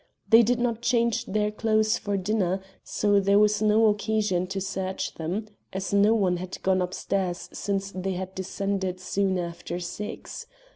They did not change their clothes for dinner, so there was no occasion to search them, as no one had gone upstairs since they had descended soon after six.